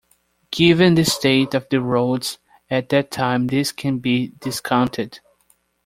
Given the state of the roads at that time this can be discounted.